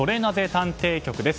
探偵局です。